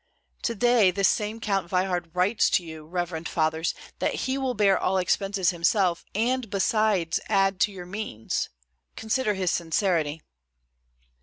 To day this same Count Veyhard writes to you, reverend fathers, that he will bear all expenses himself, and besides add to your means. Consider his sincerity!"